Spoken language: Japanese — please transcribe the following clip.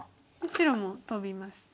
白もトビまして。